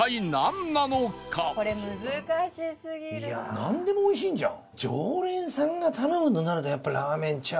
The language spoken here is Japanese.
なんでもおいしいんじゃん！